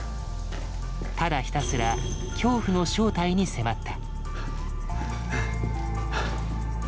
ただひたすら恐怖の正体に迫った。